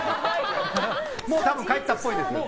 もう帰ったっぽいです。